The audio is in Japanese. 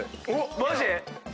マジ？